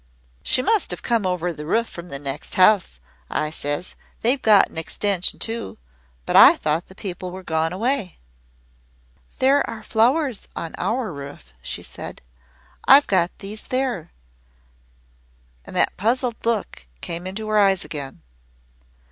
"'She must have come over the roof from the next house,' I says. 'They've got an extension too but I thought the people were gone away.' "'There are flowers on our roof,' she said. 'I got these there.' And that puzzled look came into her eyes again.